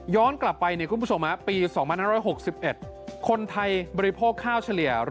ย้อนกลับไปปี๒๑๖๑คนไทยบริโภคข้าวเฉลี่ย